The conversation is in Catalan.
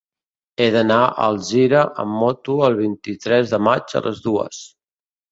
He d'anar a Alzira amb moto el vint-i-tres de maig a les dues.